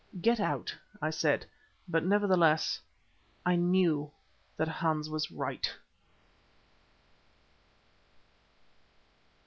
"Get out," I said, but, nevertheless, I knew that Hans was right.